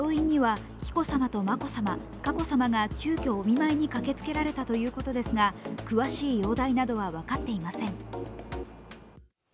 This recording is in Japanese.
誤病院には紀子さまと眞子さま、佳子さまが急遽お見舞いに訪れたというとですが詳しい容体などは分かっていません。